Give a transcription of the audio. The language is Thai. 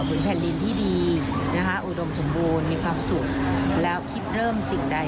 แผ่นดินที่ดีนะคะอุดมสมบูรณ์มีความสุขแล้วคิดเริ่มสิ่งใด